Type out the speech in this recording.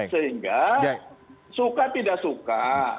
sehingga suka tidak suka